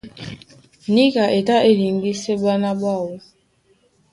Níka e tá e liŋgisɛ ɓána ɓáō.